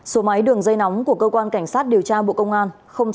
số máy đường dây nóng của cơ quan cảnh sát điều tra bộ công an